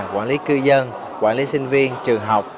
quản lý cư dân quản lý sinh viên trường học